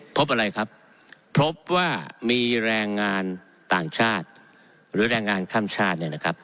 พบอะไรครับพบว่ามีแรงงานต่างชาติหรือแรงงานข้ามชาติเนี่ยนะครับ